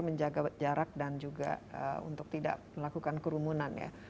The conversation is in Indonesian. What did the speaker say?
menjaga jarak dan juga untuk tidak melakukan kerumunan ya